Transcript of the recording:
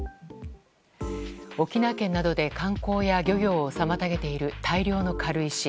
沖縄県などで観光や漁業などを妨げている大量の軽石。